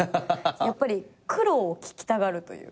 やっぱり苦労を聞きたがるというか。